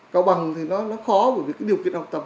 cào bằng thì nó khó bởi vì điều kiện học tập